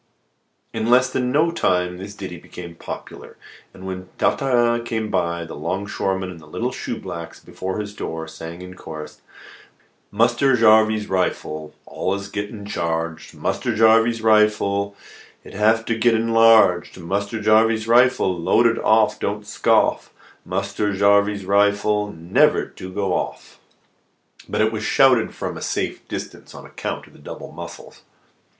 In less than no time, this ditty became popular; and when Tartarin came by, the longshoremen and the little shoeblacks before his door sang in chorus "Muster Jarvey's roifle Allus gittin' chaarged; Muster Jarvey's roifle 'il hev to git enlaarged; Muster Jarvey's roifle's Loaded oft don't scoff; Muster Jarvey's roifle Nivver do go off!" But it was shouted out from a safe distance, on account of the double muscles.